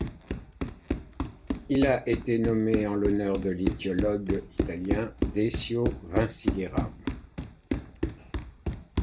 Il a été nommé en l'honneur de l'ichtyologue italien Decio Vinciguerra.